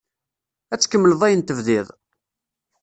Ad tkemmleḍ ayen tebdiḍ?